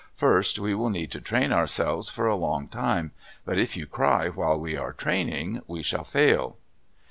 First we will need to train ourselves for a long time; but if you cry while we are training, we shall fail."